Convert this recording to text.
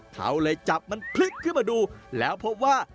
เขาเลยจับมันพลิกขึ้นมาดูแล้วพบว่า